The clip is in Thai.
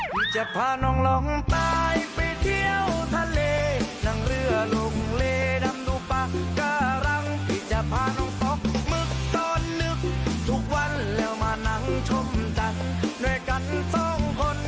มานั่งชมจังด้วยกันสองคน